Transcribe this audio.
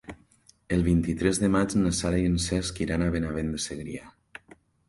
El vint-i-tres de maig na Sara i en Cesc iran a Benavent de Segrià.